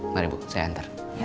mari bu saya hantar